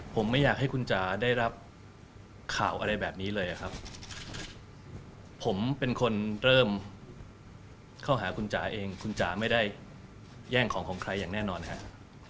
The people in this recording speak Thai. ผมไม่อยากให้คุณจ๋าได้รับข่าวอะไรแบบนี้เลยครับผมเป็นคนเริ่มเข้าหาคุณจ๋าเองคุณจ๋าไม่ได้แย่งของของใครอย่างแน่นอนครับ